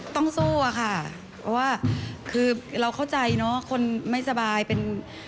ต้องสู้อะค่ะเพราะว่าคือเราเข้าใจเนอะคนไม่สบายเป็น